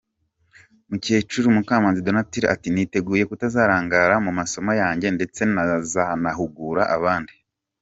Mukecuru Mukamanzi Donatille ati : "Niteguye kutazarangara mu masomo yanjye ndetse naza nkahugura abandi.